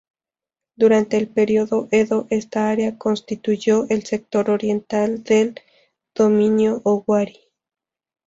Durante el periodo Edo, este área constituyó el sector oriental del dominio Owari.